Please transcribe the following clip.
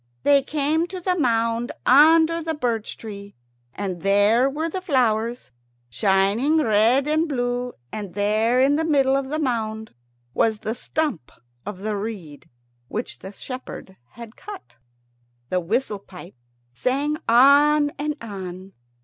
They came to the mound under the birch tree, and there were the flowers, shining red and blue, and there in the middle of the mound was the Stump of the reed which the shepherd had cut. The whistle pipe sang on and on.